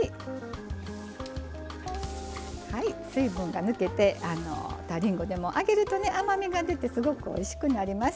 水分が抜けたりんごでも揚げると甘みが出てすごくおいしくなります。